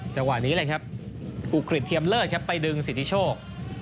จังหวะนี้เลยครับอุกฤษเทียมเลิศครับไปดึงสิทธิโชค